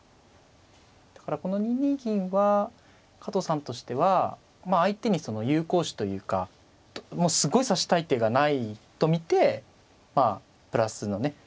だからこの２二銀は加藤さんとしては相手に有効手というかすごい指したい手がないと見てまあプラスのね。